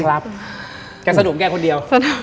แกสะดวกแกคนเดียว